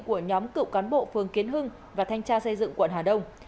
của nhóm cựu cán bộ phương kiến hưng và thanh tra xây dựng quận hà đông